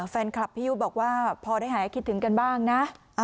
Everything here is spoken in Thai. แฟนคลับพี่ยุบอกว่าพอได้หายคิดถึงกันบ้างนะ